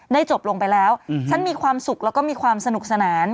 จบลงไปแล้วฉันมีความสุขแล้วก็มีความสนุกสนาน